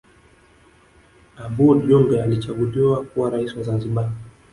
abooud jumbe alichaguliwa kuwa rais wa zanzibar